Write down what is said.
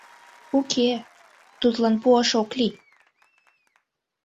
— Уке, тудлан пуаш ок лий.